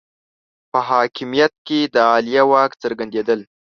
په حاکمیت کې د عالیه واک څرګندېدل